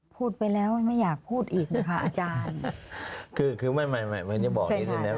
พูดไปแล้วไม่อยากพูดอีกนะคะอาจารย์คือคือไม่ไม่ไม่มันจะบอกอย่างงี้เลยนะ